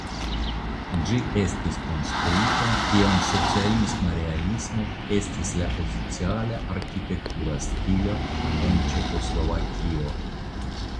Ĝi estis konstruita kiam socialisma realismo estis la oficiala arkitektura stilo en Ĉeĥoslovakio.